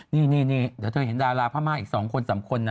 นี่เดี๋ยวเธอเห็นดาราพม่าอีก๒คน๓คนนะ